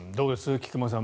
菊間さん。